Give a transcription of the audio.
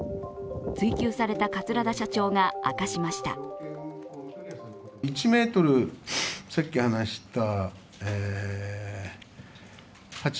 追及された桂田社長が明かしました。